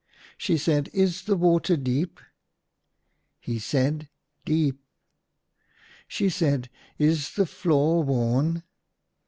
She said, " Is the water deep ?He said, " Deep." She said, " Is the floor worn